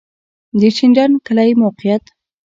د شینډنډ کلی موقعیت